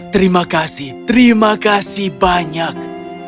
terima kasih terima kasih banyak